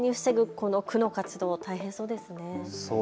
この区の活動、大変そうですね。